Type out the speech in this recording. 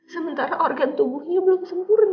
sementara organ tubuhnya belum sempurna